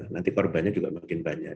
nanti korbannya juga makin banyak